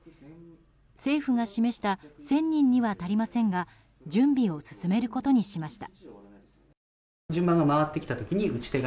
政府が示した１０００人には足りませんが準備を進めることにしました。